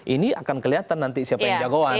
ini akan kelihatan nanti siapa yang jagoan